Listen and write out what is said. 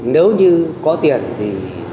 nếu như có tiền thì